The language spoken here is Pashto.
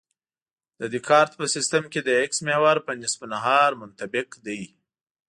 د دیکارت په سیستم کې د اکس محور په نصف النهار منطبق دی